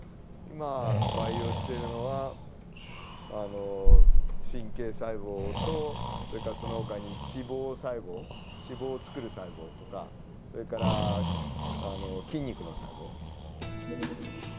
今培養しているのはあの神経細胞とそれからそのほかに脂肪細胞脂肪をつくる細胞とかそれから筋肉の細胞。